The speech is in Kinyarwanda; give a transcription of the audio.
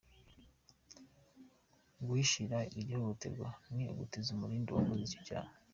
Guhishira iryo hohotera ni ugutiza umurindi uwakoze icyo cyaha.